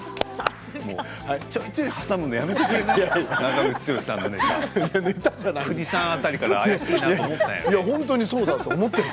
ちょいちょい挟むのやめてくれる？